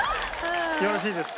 よろしいですか？